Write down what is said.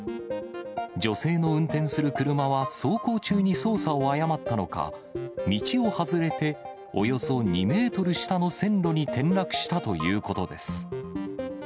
女性の運転する車は走行中に操作を誤ったのか、道を外れて、およそ２メートル下の線路に転落したということです。